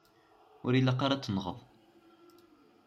Ur ilaq ara ad tenɣeḍ.